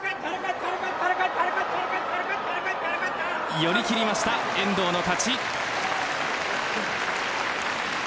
寄り切りました、遠藤の勝ち。